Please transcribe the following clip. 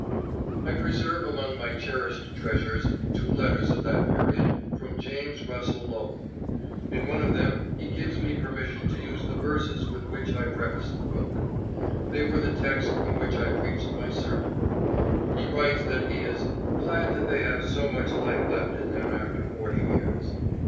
I preserve among my cherished treasures two letters of that period from James Russell Lowell. In one of them he gives me permission to use the verses with which I prefaced the book. They were the text from which I preached my sermon. He writes that he is "glad they have so much life left in them after forty years."